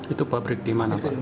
itu pabrik di mana